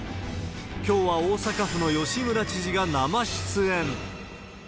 きょうは大阪府の吉村知事が生出演。